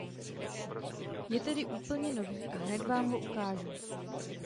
Je tedy úplně nový a hned vám ho ukážu.